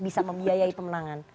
bisa membiayai pemenangan